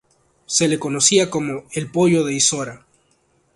Se le conocía como el "Pollo de Isora".